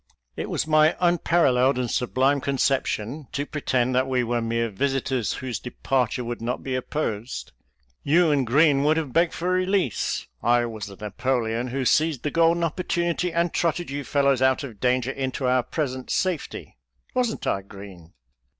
It was my unpar alleled and sublime conception to pretend that we were mere visitors whose departure would not be opposed. You and Green would have begged for release — I was the Napoleon who seized the golden opportunity and trotted you fellows out of danger into our present safety — wasn't I, Green?"